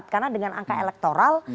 karena dengan angka elektoral